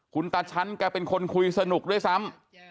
คุณตาชั้นแกเป็นคนคุยสนุกด้วยซ้ำ